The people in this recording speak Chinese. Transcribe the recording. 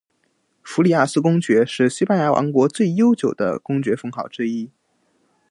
弗里亚斯公爵是西班牙王国最悠久的公爵封号之一。